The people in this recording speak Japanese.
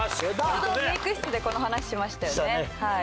ちょうどメイク室でこの話しましたよねはい。